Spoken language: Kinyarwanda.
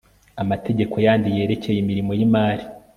amategeko yandi yerekeye imirimo y imari